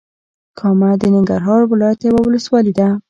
کامه د ننګرهار ولايت یوه ولسوالې ده.